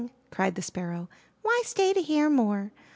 cried the Sparrow. Why stay to hear more?